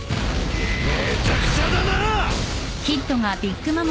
めちゃくちゃだな！